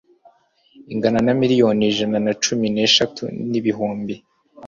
ingana na miliyoni ijana na cumi n'eshatu n'ibihumbi